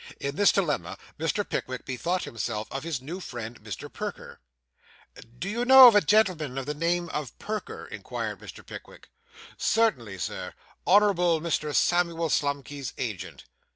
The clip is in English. In this dilemma Mr. Pickwick bethought himself of his new friend, Mr. Perker. 'Do you know a gentleman of the name of Perker?' inquired Mr. Pickwick. 'Certainly, Sir; Honourable Mr. Samuel Slumkey's agent.